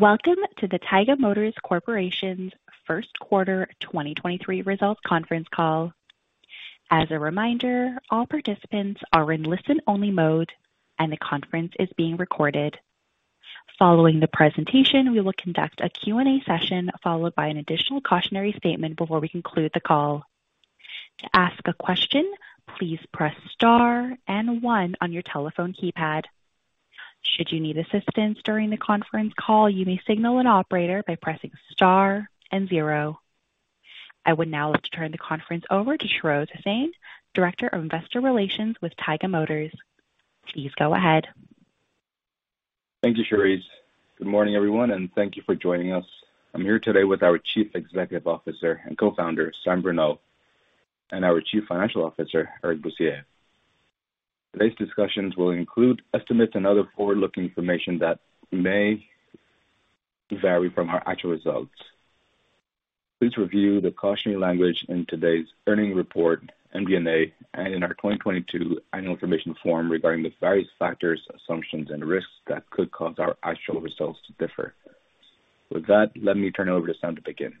Welcome to the Taiga Motors Corporation's First Quarter 2023 Results Conference Call. As a reminder, all participants are in listen-only mode and the conference is being recorded. Following the presentation, we will conduct a Q&A session, followed by an additional cautionary statement before we conclude the call. To ask a question, please press Star and one on your telephone keypad. Should you need assistance during the conference call, you may signal an operator by pressing Star and zero. I would now like to turn the conference over to Shahroz Hussain, Director of Investor Relations with Taiga Motors. Please go ahead. Thank you, Charisse. Good morning, everyone, and thank you for joining us. I'm here today with our Chief Executive Officer and Co-founder, Samuel Bruneau, and our Chief Financial Officer, Eric Bussières. Today's discussions will include estimates and other forward-looking information that may vary from our actual results. Please review the cautionary language in today's earnings report, MD&A, and in our 2022 Annual Information Form regarding the various factors, assumptions and risks that could cause our actual results to differ. With that, let me turn it over to Sam to begin.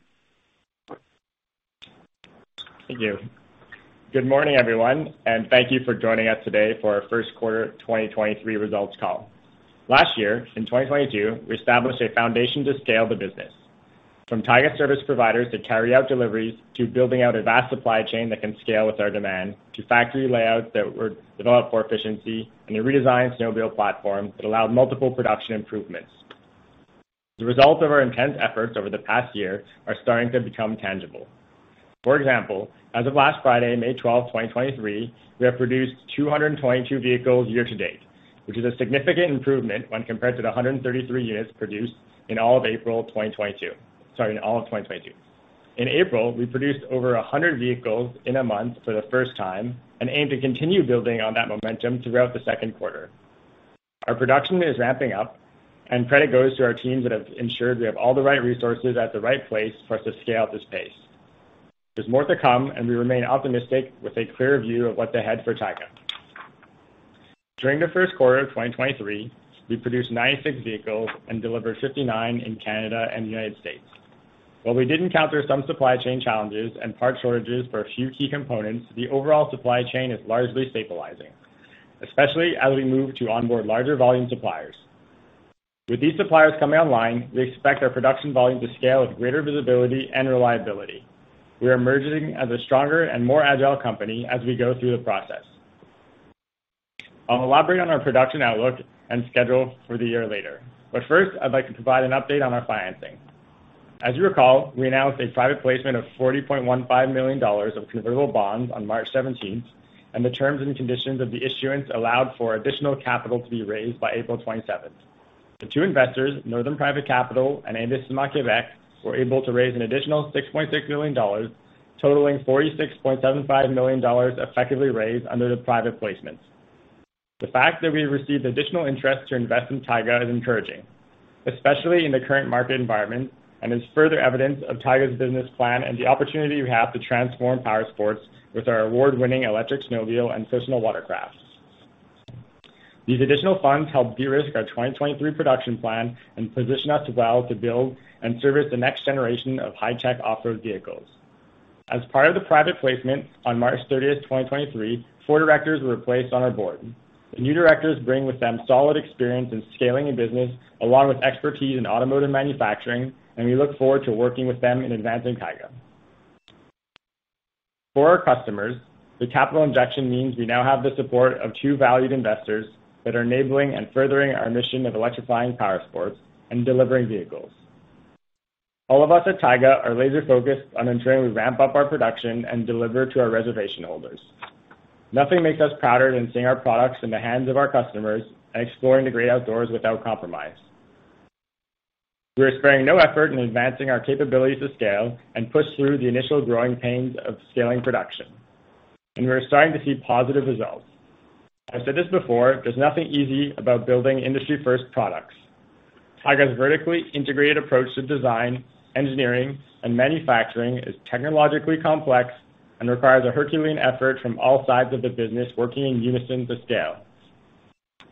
Thank you. Good morning, everyone, and thank you for joining us today for our first quarter 2023 results call. Last year, in 2022, we established a foundation to scale the business. From Taiga service providers to carry out deliveries, to building out a vast supply chain that can scale with our demand, to factory layouts that were developed for efficiency and a redesigned snowmobile platform that allowed multiple production improvements. The result of our intense efforts over the past year are starting to become tangible. For example, as of last Friday, May 12, 2023, we have produced 222 vehicles year to date, which is a significant improvement when compared to the 133 units produced in all of April 2022, sorry, in all of 2022. In April, we produced over 100 vehicles in a month for the first time and aim to continue building on that momentum throughout the second quarter. Our production is ramping up. Credit goes to our teams that have ensured we have all the right resources at the right place for us to scale up this pace. There's more to come. We remain optimistic with a clear view of what's ahead for Taiga. During the first quarter of 2023, we produced 96 vehicles and delivered 59 in Canada and the United States. While we did encounter some supply chain challenges and part shortages for a few key components, the overall supply chain is largely stabilizing, especially as we move to onboard larger volume suppliers. With these suppliers coming online, we expect our production volume to scale with greater visibility and reliability. We are emerging as a stronger and more agile company as we go through the process. I'll elaborate on our production outlook and schedule for the year later. First, I'd like to provide an update on our financing. As you recall, we announced a private placement of $40.15 million of convertible bonds on March 17th. The terms and conditions of the issuance allowed for additional capital to be raised by April 27th. The two investors, Northern Private Capital and Investissement Québec, were able to raise an additional $6.6 million, totaling $46.75 million effectively raised under the private placements. The fact that we received additional interest to invest in Taiga is encouraging, especially in the current market environment, and is further evidence of Taiga's business plan and the opportunity we have to transform powersports with our award-winning electric snowmobile and personal watercrafts. These additional funds help de-risk our 2023 production plan and position us well to build and service the next generation of high-tech off-road vehicles. As part of the private placement on March 30, 2023, four directors were replaced on our board. The new directors bring with them solid experience in scaling a business along with expertise in automotive manufacturing, and we look forward to working with them in advancing Taiga. For our customers, the capital injection means we now have the support of two valued investors that are enabling and furthering our mission of electrifying powersports and delivering vehicles. All of us at Taiga are laser-focused on ensuring we ramp up our production and deliver to our reservation holders. Nothing makes us prouder than seeing our products in the hands of our customers and exploring the great outdoors without compromise. We are sparing no effort in advancing our capabilities to scale and push through the initial growing pains of scaling production, and we are starting to see positive results. I've said this before, there's nothing easy about building industry-first products. Taiga's vertically integrated approach to design, engineering and manufacturing is technologically complex and requires a herculean effort from all sides of the business working in unison to scale.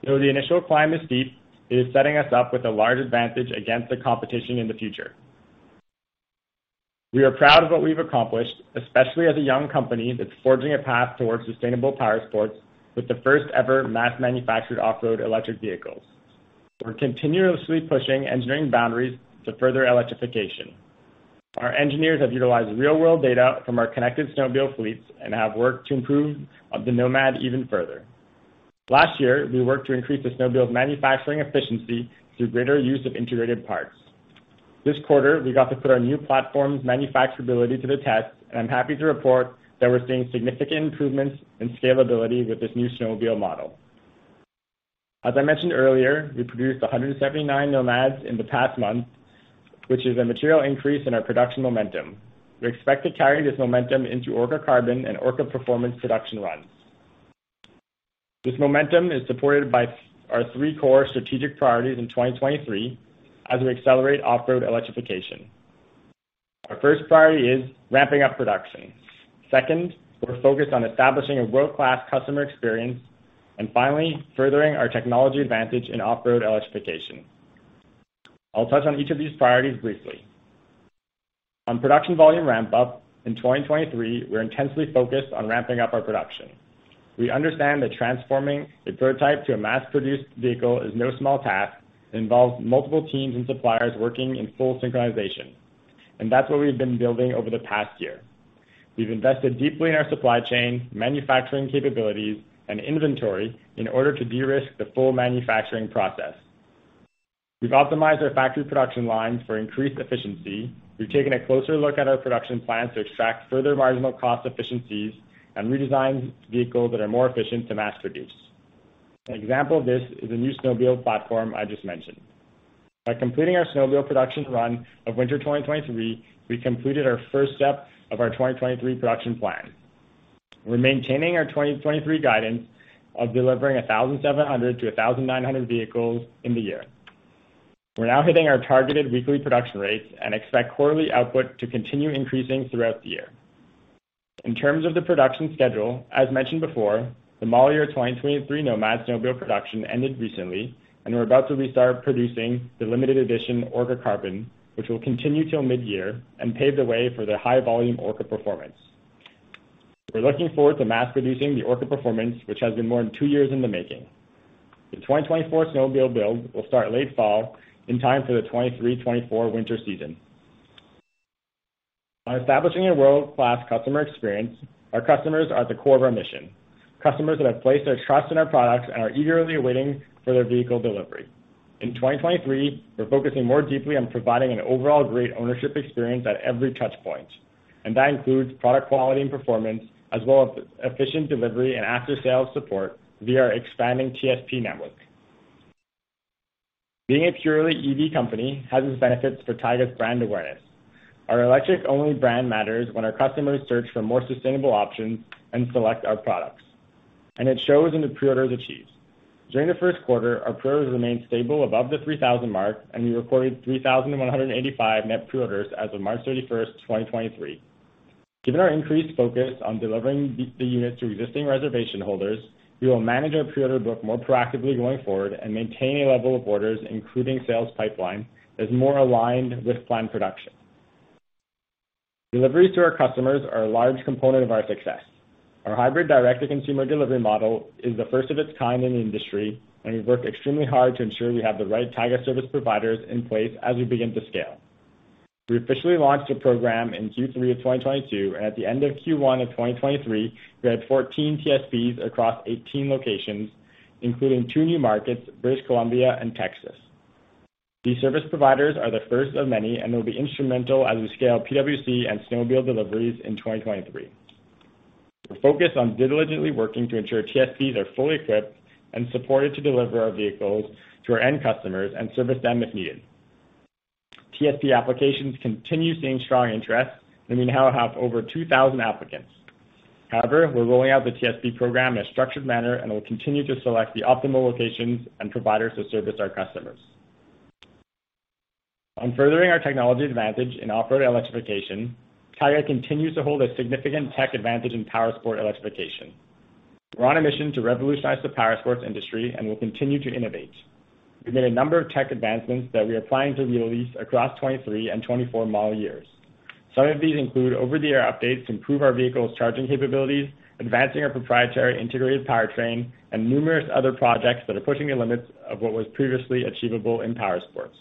Though the initial climb is steep, it is setting us up with a large advantage against the competition in the future. We are proud of what we've accomplished, especially as a young company that's forging a path towards sustainable powersports with the first ever mass manufactured off-road electric vehicles. We're continuously pushing engineering boundaries to further electrification. Our engineers have utilized real-world data from our connected snowmobile fleets and have worked to improve of the Nomad even further. Last year, we worked to increase the snowmobile's manufacturing efficiency through greater use of integrated parts. This quarter, we got to put our new platform's manufacturability to the test, and I'm happy to report that we're seeing significant improvements in scalability with this new snowmobile model. As I mentioned earlier, we produced 179 Nomads in the past month, which is a material increase in our production momentum. We expect to carry this momentum into Orca Carbon and Orca Performance production runs. This momentum is supported by our three core strategic priorities in 2023 as we accelerate off-road electrification. Our first priority is ramping up production. Second, we're focused on establishing a world-class customer experience. Finally, furthering our technology advantage in off-road electrification. I'll touch on each of these priorities briefly. On production volume ramp-up, in 2023, we're intensely focused on ramping up our production. We understand that transforming a prototype to a mass-produced vehicle is no small task. It involves multiple teams and suppliers working in full synchronization, and that's what we've been building over the past year. We've invested deeply in our supply chain, manufacturing capabilities, and inventory in order to de-risk the full manufacturing process. We've optimized our factory production lines for increased efficiency, we've taken a closer look at our production plan to extract further marginal cost efficiencies, and redesigned vehicles that are more efficient to mass produce. An example of this is the new snowmobile platform I just mentioned. By completing our snowmobile production run of winter 2023, we completed our first step of our 2023 production plan. We're maintaining our 2023 guidance of delivering 1,700 to 1,900 vehicles in the year. We're now hitting our targeted weekly production rates and expect quarterly output to continue increasing throughout the year. In terms of the production schedule, as mentioned before, the model year 2023 Nomad snowmobile production ended recently, and we're about to restart producing the limited edition Orca Carbon, which will continue till mid-year and pave the way for the high-volume Orca Performance. We're looking forward to mass producing the Orca Performance, which has been more than two years in the making. The 2024 snowmobile build will start late fall in time for the 2023, 2024 winter season. On establishing a world-class customer experience, our customers are at the core of our mission, customers that have placed their trust in our products and are eagerly awaiting for their vehicle delivery. In 2023, we're focusing more deeply on providing an overall great ownership experience at every touchpoint. That includes product quality and performance, as well as efficient delivery and after-sales support via our expanding TSP network. Being a purely EV company has its benefits for Taiga's brand awareness. Our electric-only brand matters when our customers search for more sustainable options and select our products. It shows in the pre-orders achieved. During the first quarter, our pre-orders remained stable above the 3,000 mark. We recorded 3,185 net pre-orders as of March 31, 2023. Given our increased focus on delivering the units to existing reservation holders, we will manage our pre-order book more proactively going forward and maintain a level of orders, including sales pipeline, that's more aligned with planned production. Deliveries to our customers are a large component of our success. Our hybrid direct-to-consumer delivery model is the first of its kind in the industry. We've worked extremely hard to ensure we have the right Taiga service providers in place as we begin to scale. We officially launched the program in Q3 of 2022. At the end of Q1 of 2023, we had 14 TSPs across 18 locations, including two new markets, British Columbia and Texas. These service providers are the first of many, and they'll be instrumental as we scale PWC and snowmobile deliveries in 2023. We're focused on diligently working to ensure TSPs are fully equipped and supported to deliver our vehicles to our end customers and service them if needed. TSP applications continue seeing strong interest. We now have over 2,000 applicants. However, we're rolling out the TSP program in a structured manner and will continue to select the optimal locations and providers to service our customers. On furthering our technology advantage in off-road electrification, Taiga continues to hold a significant tech advantage in powersport electrification. We're on a mission to revolutionize the powersports industry and will continue to innovate. We've made a number of tech advancements that we are applying to releases across 2023 and 2024 model years. Some of these include Over-the-Air updates to improve our vehicles' charging capabilities, advancing our proprietary integrated powertrain, and numerous other projects that are pushing the limits of what was previously achievable in powersports.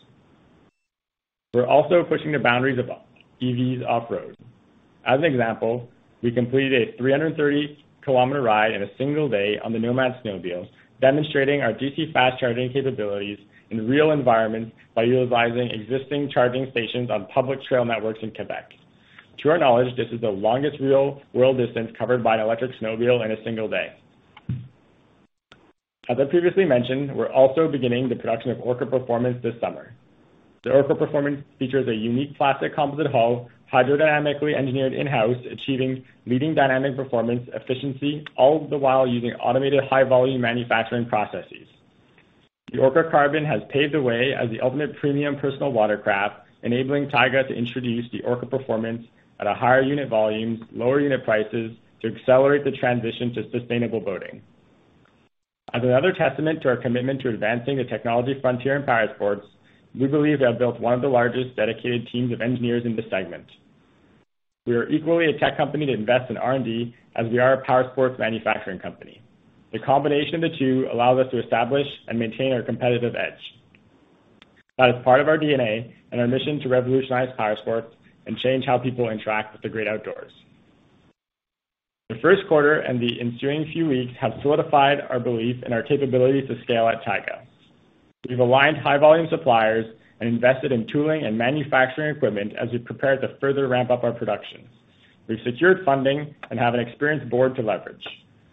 We're also pushing the boundaries of EVs off-road. As an example, we completed a 330-kilometer ride in a single day on the Nomad snowmobile, demonstrating our DC fast charging capabilities in real environments by utilizing existing charging stations on public trail networks in Quebec. To our knowledge, this is the longest real-world distance covered by an electric snowmobile in a single day. As I previously mentioned, we're also beginning the production of Orca Performance this summer. The Orca Performance features a unique plastic composite hull, hydrodynamically engineered in-house, achieving leading dynamic performance efficiency, all the while using automated high-volume manufacturing processes. The Orca Carbon has paved the way as the ultimate premium personal watercraft, enabling Taiga to introduce the Orca Performance at a higher unit volumes, lower unit prices to accelerate the transition to sustainable boating. As another testament to our commitment to advancing the technology frontier in powersports, we believe we have built one of the largest dedicated teams of engineers in this segment. We are equally a tech company to invest in R&D as we are a powersports manufacturing company. The combination of the two allows us to establish and maintain our competitive edge. That is part of our DNA and our mission to revolutionize powersports and change how people interact with the great outdoors. The first quarter and the ensuing few weeks have solidified our belief and our capability to scale at Taiga. We've aligned high-volume suppliers and invested in tooling and manufacturing equipment as we prepare to further ramp up our production. We've secured funding and have an experienced board to leverage.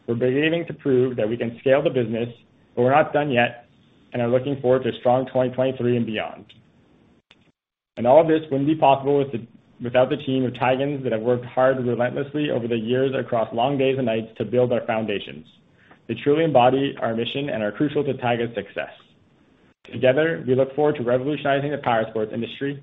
We're beginning to prove that we can scale the business, but we're not done yet and are looking forward to a strong 2023 and beyond. All of this wouldn't be possible without the team of Taigans that have worked hard relentlessly over the years across long days and nights to build our foundations. They truly embody our mission and are crucial to Taiga's success. Together, we look forward to revolutionizing the powersports industry.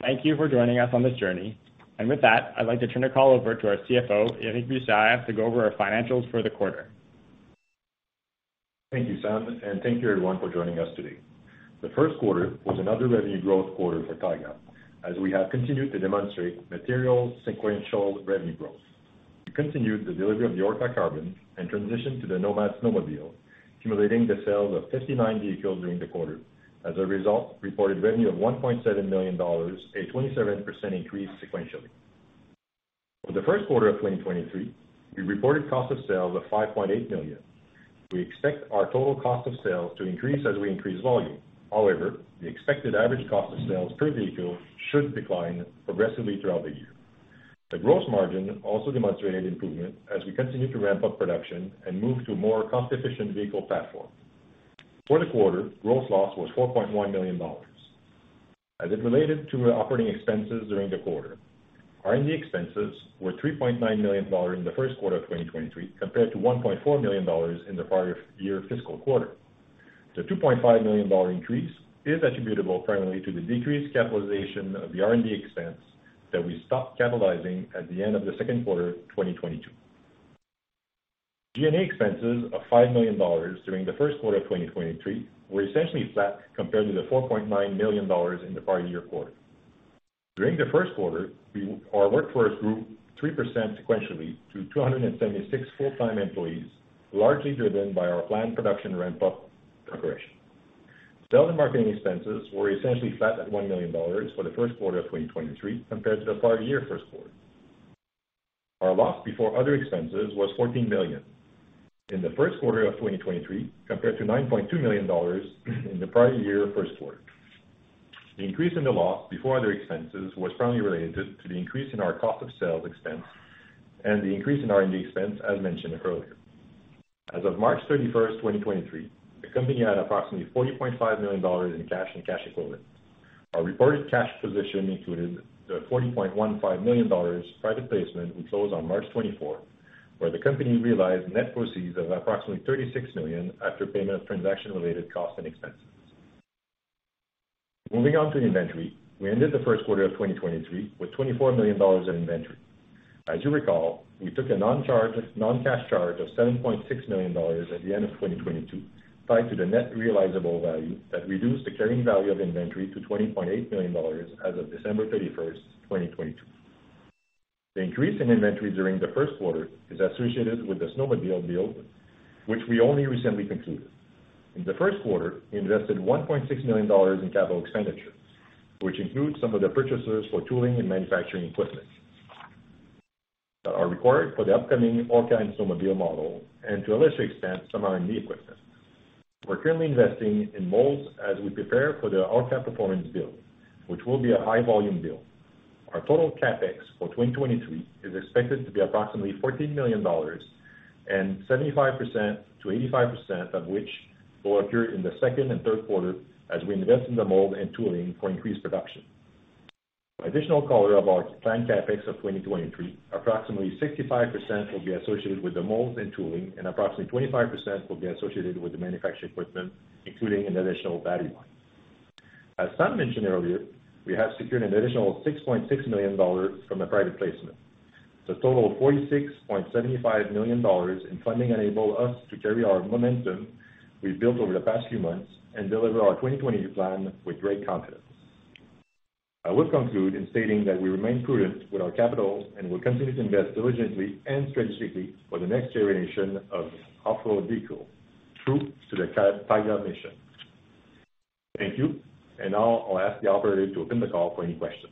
Thank you for joining us on this journey. With that, I'd like to turn the call over to our CFO, Eric Bussières, to go over our financials for the quarter. Thank you, Sam, and thank you everyone for joining us today. The first quarter was another revenue growth quarter for Taiga, as we have continued to demonstrate material sequential revenue growth. We continued the delivery of the Orca Carbon and transitioned to the Nomad snowmobile, accumulating the sales of 59 vehicles during the quarter. As a result, reported revenue of $1.7 million, a 27% increase sequentially. For the first quarter of 2023, we reported cost of sales of $5.8 million. We expect our total cost of sales to increase as we increase volume. However, the expected average cost of sales per vehicle should decline progressively throughout the year. The gross margin also demonstrated improvement as we continue to ramp up production and move to a more cost-efficient vehicle platform. For the quarter, gross loss was $4.1 million. It related to our operating expenses during the quarter, R&D expenses were $3.9 million in the first quarter of 2023 compared to $1.4 million in the prior year fiscal quarter. The $2.5 million increase is attributable primarily to the decreased capitalization of the R&D expense that we stopped capitalizing at the end of the second quarter 2022. G&A expenses of $5 million during the first quarter of 2023 were essentially flat compared to the $4.9 million in the prior year quarter. During the first quarter, our workforce grew 3% sequentially to 276 full-time employees, largely driven by our planned production ramp up preparation. Sales and marketing expenses were essentially flat at $1 million for the first quarter of 2023 compared to the prior year first quarter. Our loss before other expenses was $14 million in the first quarter of 2023 compared to $9.2 million in the prior year first quarter. The increase in the loss before other expenses was primarily related to the increase in our cost of sales expense and the increase in R&D expense, as mentioned earlier. As of March 31st, 2023, the company had approximately $40.5 million in cash and cash equivalents. Our reported cash position included the $40.15 million private placement, which closed on March 24, where the company realized net proceeds of approximately $36 million after payment of transaction-related costs and expenses. Moving on to inventory. We ended the first quarter of 2023 with $24 million in inventory. As you recall, we took a non-cash charge of $7.6 million at the end of 2022, tied to the net realizable value that reduced the carrying value of inventory to $20.8 million as of December 31st, 2022. The increase in inventory during the first quarter is associated with the snowmobile build, which we only recently concluded. In the first quarter, we invested $1.6 million in capital expenditures, which includes some of the purchases for tooling and manufacturing equipment that are required for the upcoming Orca and snowmobile model and to a lesser extent, some R&D equipment. We're currently investing in molds as we prepare for the Orca Performance build, which will be a high volume build. Our total CapEx for 2023 is expected to be approximately $14 million, and 75%-85% of which will occur in the second and third quarter as we invest in the mold and tooling for increased production. Additional color of our planned CapEx of 2023, approximately 65% will be associated with the molds and tooling, and approximately 25% will be associated with the manufacturing equipment, including an additional battery line. As Sam mentioned earlier, we have secured an additional $6.6 million from the private placement. The total of $46.75 million in funding enable us to carry our momentum we've built over the past few months and deliver our 2020 plan with great confidence. I will conclude in stating that we remain prudent with our capital and will continue to invest diligently and strategically for the next generation of off-road vehicle, true to the Taiga mission. Thank you. Now I'll ask the operator to open the call for any questions.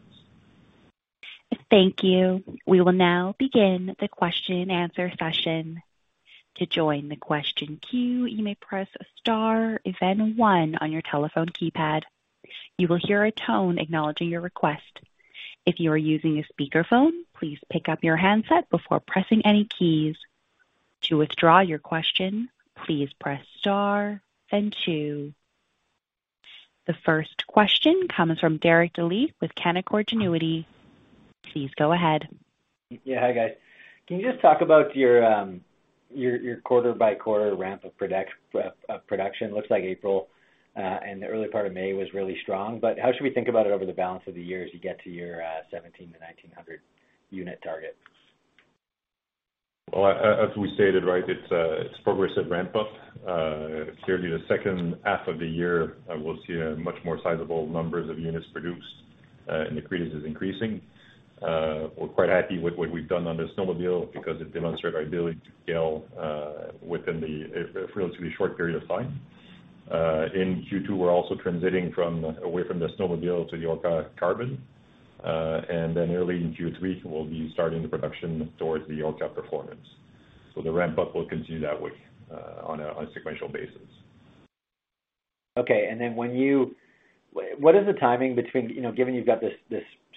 Thank you. We will now begin the question-and-answer session. To join the question queue, you may press star then one on your telephone keypad. You will hear a tone acknowledging your request. If you are using a speakerphone, please pick up your handset before pressing any keys. To withdraw your question, please press star then two. The first question comes from Derek Dley with Canaccord Genuity. Please go ahead. Hi, guys. Can you just talk about your quarter-by-quarter ramp of production? Looks like April and the early part of May was really strong. How should we think about it over the balance of the year as you get to your 1,700-1,900 unit target? Well, as we stated, right, it's a progressive ramp up. Clearly the second half of the year, we'll see a much more sizable numbers of units produced, and the cadence is increasing. We're quite happy with what we've done on the snowmobile because it demonstrated our ability to scale within a relatively short period of time. In Q2, we're also transitioning away from the snowmobile to the Orca Carbon. Early in Q3, we'll be starting the production towards the Orca Performance. The ramp up will continue that way, on a sequential basis. Okay. Then when you What is the timing between, you know, given you've got this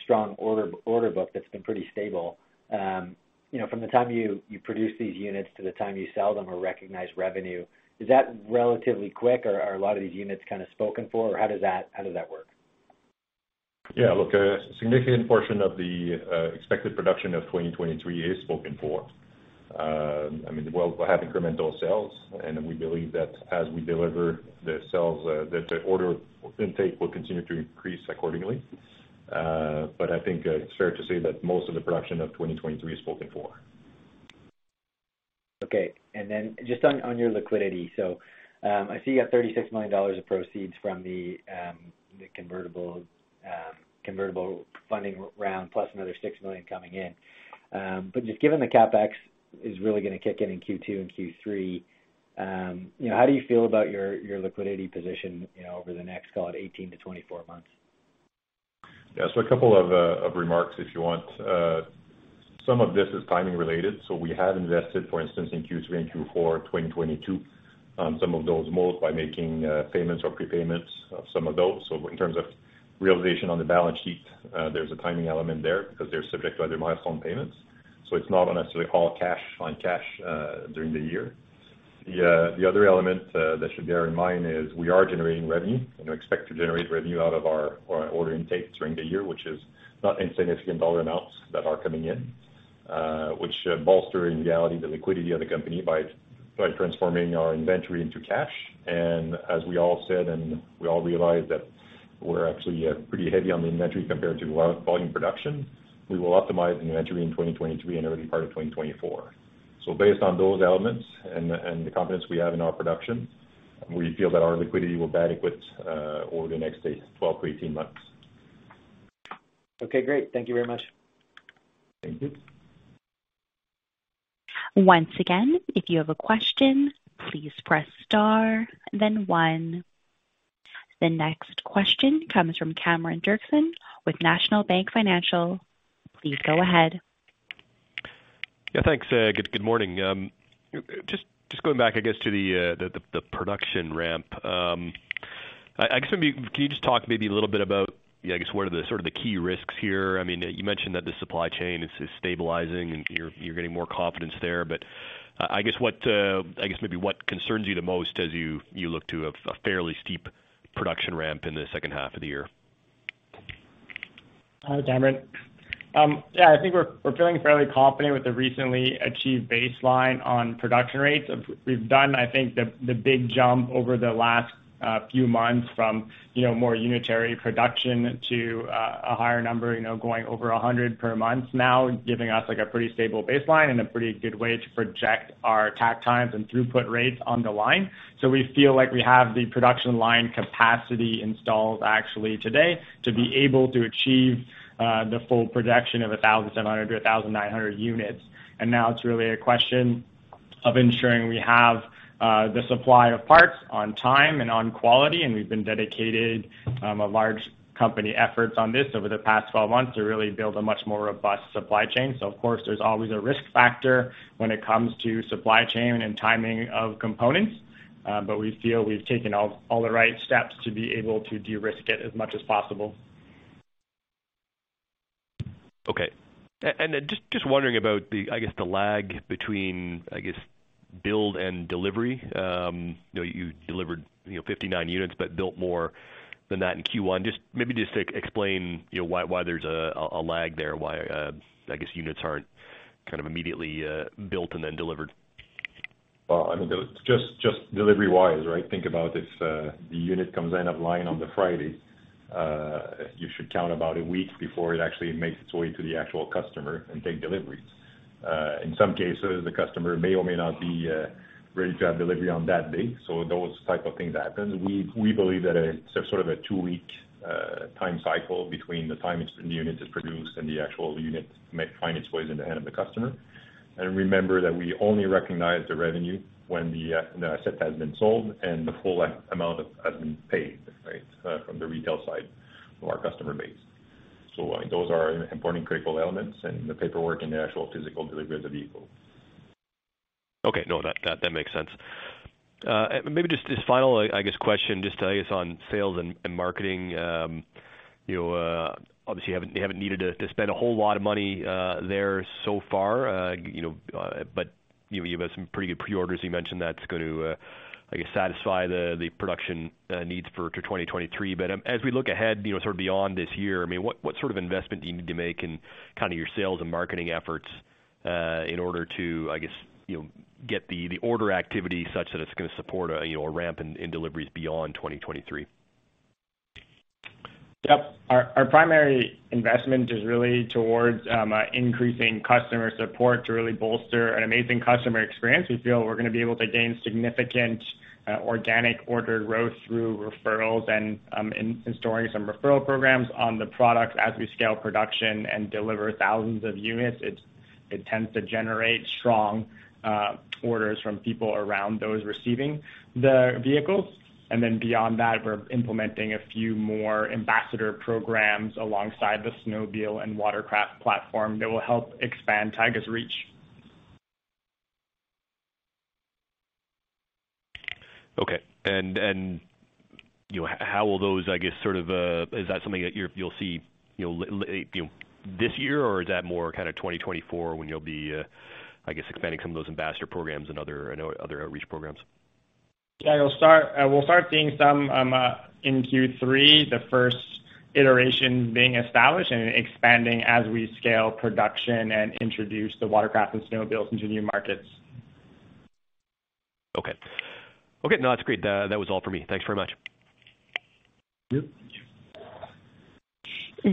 strong order book that's been pretty stable, you know, from the time you produce these units to the time you sell them or recognize revenue, is that relatively quick, or are a lot of these units kind of spoken for? How does that work? Yeah, look, a significant portion of the expected production of 2023 is spoken for. I mean, well, we have incremental sales, and we believe that as we deliver the sales, that the order intake will continue to increase accordingly. I think it's fair to say that most of the production of 2023 is spoken for. just on your liquidity. I see you got $36 million of proceeds from the convertible convertible funding round plus another $6 million coming in. Given the CapEx is really gonna kick in in Q2 and Q3, you know, how do you feel about your liquidity position, you know, over the next, call it 18 to 24 months? Yeah. A couple of remarks if you want. Some of this is timing related. We have invested, for instance, in Q3 and Q4 2022 on some of those modes by making payments or prepayments of some of those. In terms of realization on the balance sheet, there's a timing element there because they're subject to other milestone payments. It's not necessarily all cash on cash during the year. The other element that should bear in mind is we are generating revenue and we expect to generate revenue out of our order intake during the year, which is not insignificant dollar amounts that are coming in, which bolster in reality the liquidity of the company by transforming our inventory into cash. As we all said, and we all realize that we're actually, pretty heavy on the inventory compared to low volume production. We will optimize inventory in 2023 and early part of 2024. Based on those elements and the confidence we have in our production, we feel that our liquidity will be adequate, over the next 12 to 18 months. Okay, great. Thank you very much. Thank you. Once again, if you have a question, please press star then one. The next question comes from Cameron Doerksen with National Bank Financial. Please go ahead. Yeah, thanks. Good morning. Just going back to the production ramp. I guess maybe can you just talk maybe a little bit about what are the sort of the key risks here? I mean, you mentioned that the supply chain is stabilizing and you're getting more confidence there. I guess what I guess maybe what concerns you the most as you look to a fairly steep production ramp in the second half of the year? Hi, Cameron. Yeah, I think we're feeling fairly confident with the recently achieved baseline on production rates. We've, we've done, I think, the big jump over the last few months from, you know, more unitary production to a higher number, you know, going over 100 per month now, giving us like a pretty stable baseline and a pretty good way to project our takt time and throughput rates on the line. We feel like we have the production line capacity installed actually today to be able to achieve the full projection of 1,700-1,900 units. Now it's really a question of ensuring we have the supply of parts on time and on quality, and we've been dedicated a large company efforts on this over the past 12 months to really build a much more robust supply chain. Of course, there's always a risk factor when it comes to supply chain and timing of components, but we feel we've taken all the right steps to be able to de-risk it as much as possible. Okay. Just wondering about the, I guess, the lag between build and delivery. You delivered, you know, 59 units, but built more than that in Q1. Just maybe just explain, you know, why there's a lag there, why, I guess units aren't kind of immediately built and then delivered. Well, I mean, just delivery-wise, right? Think about if the unit comes in line on the Friday, you should count about a week before it actually makes its way to the actual customer and take delivery. In some cases, the customer may or may not be ready to have delivery on that day. Those type of things happen. We, we believe that it's sort of a two-week time cycle between the time the unit is produced and the actual unit may find its way into the hand of the customer. Remember that we only recognize the revenue when the asset has been sold and the full amount has been paid, right, from the retail side of our customer base. Those are important critical elements and the paperwork and the actual physical delivery of the vehicle. Okay. No, that makes sense. maybe just this final question on sales and marketing. you obviously you haven't needed to spend a whole lot of money there so far, you know, but, you know, you've had some pretty good pre-orders you mentioned that's going to satisfy the production needs for 2023. as we look ahead beyond this year, what sort of investment do you need to make in kind of your sales and marketing efforts in order to get the order activity such that it's gonna support a ramp in deliveries beyond 2023? Yep. Our primary investment is really towards increasing customer support to really bolster an amazing customer experience. We feel we're gonna be able to gain significant organic order growth through referrals and installing some referral programs on the products. As we scale production and deliver thousands of units, it tends to generate strong orders from people around those receiving the vehicles. Beyond that, we're implementing a few more ambassador programs alongside the snowmobile and watercraft platform that will help expand Taiga's reach. Okay. How will those, I guess sort of, is that something that you'll see, you know, this year or is that more kinda 2024 when you'll be, I guess, expanding some of those ambassador programs and other outreach programs? Yeah, we'll start seeing some, in Q3, the first iteration being established and expanding as we scale production and introduce the watercraft and snowmobiles into new markets. Okay. Okay, no, that's great. That, that was all for me. Thanks very much. Yep. Thank you.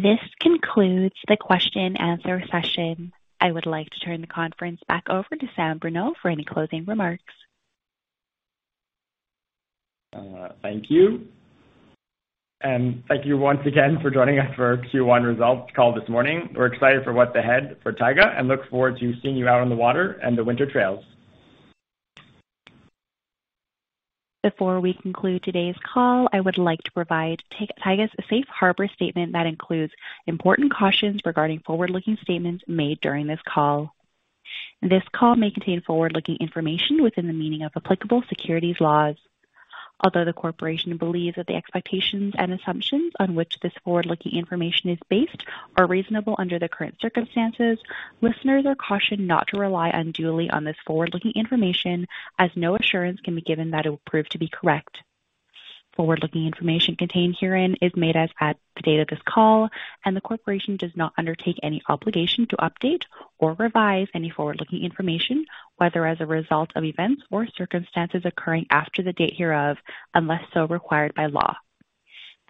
This concludes the question and answer session. I would like to turn the conference back over to Samuel Bruneau for any closing remarks. Thank you. Thank you once again for joining us for our Q1 results call this morning. We're excited for what's ahead for Taiga and look forward to seeing you out on the water and the winter trails. Before we conclude today's call, I would like to provide Taiga's safe harbor statement that includes important cautions regarding forward-looking statements made during this call. This call may contain forward-looking information within the meaning of applicable securities laws. Although the corporation believes that the expectations and assumptions on which this forward-looking information is based are reasonable under the current circumstances, listeners are cautioned not to rely unduly on this forward-looking information, as no assurance can be given that it will prove to be correct. Forward-looking information contained herein is made as at the date of this call. The corporation does not undertake any obligation to update or revise any forward-looking information, whether as a result of events or circumstances occurring after the date hereof, unless so required by law.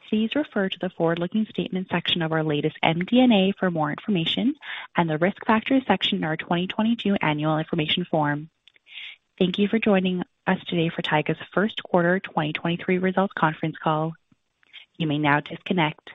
Please refer to the forward-looking statements section of our latest MD&A for more information and the Risk Factors section in our 2022 Annual Information Form. Thank you for joining us today for Taiga's First Quarter 2023 Results Conference Call. You may now disconnect.